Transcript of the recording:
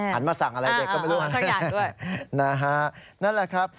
มาสั่งอะไรเด็กก็ไม่รู้นะฮะนั่นแหละครับ